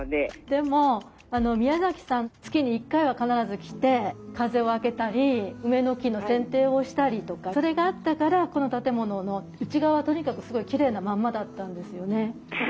でもあの宮さん月に１回は必ず来て風を開けたり梅の木のせんていをしたりとかそれがあったからこの建物の内側はとにかくすごいきれいなまんまだったんですよね。